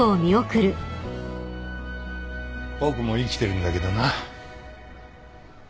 僕も生きてるんだけどな。